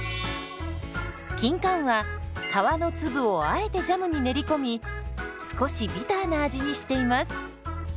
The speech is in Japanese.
キンカンは皮の粒をあえてジャムに練り込み少しビターな味にしています。